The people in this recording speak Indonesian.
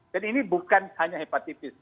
dan ini bukan hanya hepatitis